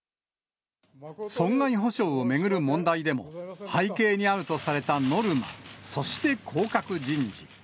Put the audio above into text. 損害補償を巡る問題でも、背景にあるとされたノルマ、そして降格人事。